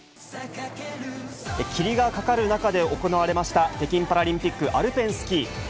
霧がかかる中で行われました、北京パラリンピックアルペンスキー。